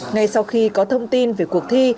ngay sau khi có thông tin về cuộc thi